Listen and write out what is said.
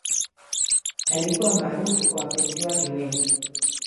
Alikuwa maarufu kwa wapenzi wake wengi.